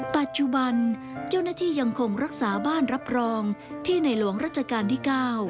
ปัจจุบันเจ้าหน้าที่ยังคงรักษาบ้านรับรองที่ในหลวงรัชกาลที่๙